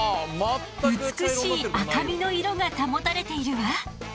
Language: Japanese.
美しい赤身の色が保たれているわ。